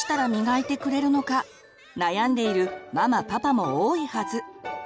悩んでいるママパパも多いはず。